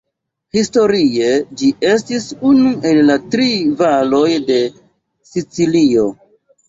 Historie, ĝi estis unu el la tri valoj de Sicilio.